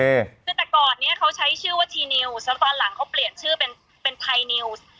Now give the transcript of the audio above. คือแต่ก่อนเนี้ยเขาใช้ชื่อว่าทีนิวแล้วตอนหลังเขาเปลี่ยนชื่อเป็นเป็นไทนิวส์